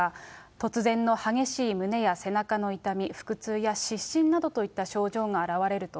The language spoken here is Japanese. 突然の激しい胸や背中の痛み、腹痛や湿疹などといった症状があらわれると。